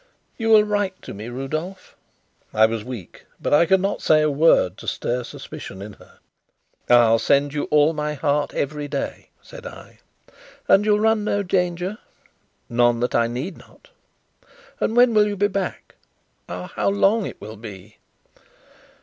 "You will write to me, Rudolf?" I was weak, but I could not say a word to stir suspicion in her. "I'll send you all my heart every day," said I. "And you'll run no danger?" "None that I need not." "And when will you be back? Ah, how long will it be!"